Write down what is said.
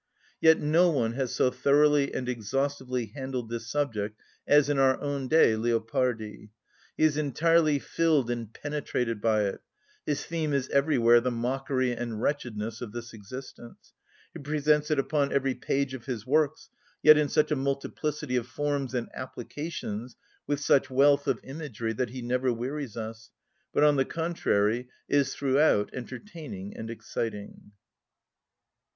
Yet no one has so thoroughly and exhaustively handled this subject as, in our own day, Leopardi. He is entirely filled and penetrated by it: his theme is everywhere the mockery and wretchedness of this existence; he presents it upon every page of his works, yet in such a multiplicity of forms and applications, with such wealth of imagery that he never wearies us, but, on the contrary, is throughout entertaining and exciting.